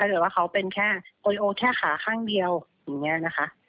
ถ้าเกิดว่าเขาเป็นแค่โปรโลโอแค่ขาข้างเดียวอย่างนี้นะคะ